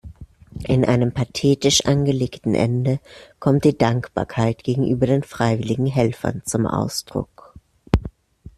In einem pathetisch angelegten Ende kommt die Dankbarkeit gegenüber den freiwilligen Helfern zum Ausdruck.